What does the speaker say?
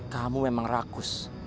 kamu memang rakus